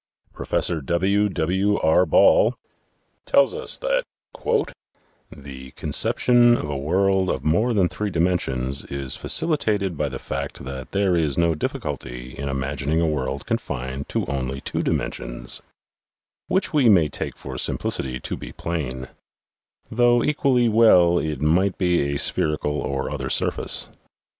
Professor W. W. R. Ball tells us that " the conception of a world of more than three dimensions is facilitated by the fact that there is no difficulty in imagin ing a world confined to only two dimensions which we may take for simplicity to be plane though equally well it might be a spherical or other surface.